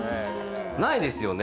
ないですよね